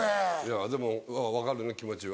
でも分かるね気持ちは。